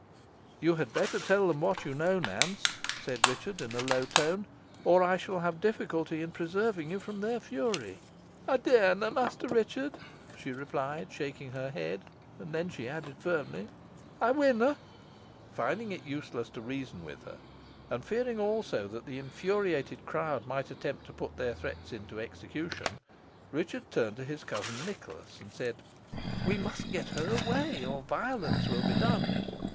"You had better tell them what you know, Nance," said Richard, in a low tone, "or I shall have difficulty in preserving you from their fury." "Ey darena, Master Richard," she replied, shaking her head; and then she added firmly, "Ey winna." Finding it useless to reason with her, and fearing also that the infuriated crowd might attempt to put their threats into execution, Richard turned to his cousin Nicholas, and said: "We must get her away, or violence will be done."